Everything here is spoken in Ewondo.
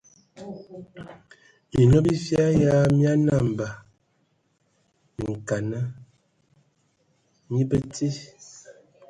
Minlo bifia ya mia nambə minkana mi bəti.